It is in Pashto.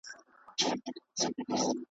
هره ورځ له قهره نه وو پړسېدلی .